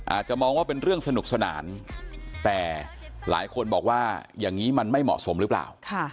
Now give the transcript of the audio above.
อาจจะมองว่าเป็นเรื่องสนุกสนานแต่หลายคนบอกว่าอย่างนี้มันไม่เหมาะสมหรือเปล่า